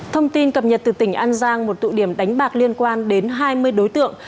thông tin cập nhật từ tỉnh an giang một tụ điểm đánh bạc liên quan đến hai mươi đối tượng